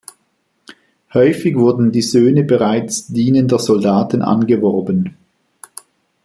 Häufig wurden die Söhne bereits dienender Soldaten angeworben.